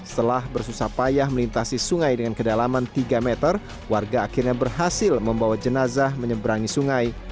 setelah bersusah payah melintasi sungai dengan kedalaman tiga meter warga akhirnya berhasil membawa jenazah menyeberangi sungai